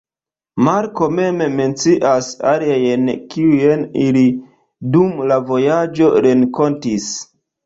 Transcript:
Marko mem mencias aliajn, kiujn ili dum la vojaĝo renkontis.